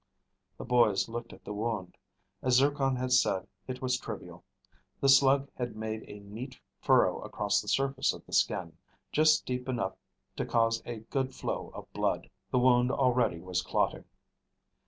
The boys looked at the wound. As Zircon had said, it was trivial. The slug had made a neat furrow across the surface of the skin, just deep enough to cause a good flow of blood. The wound already was clotting.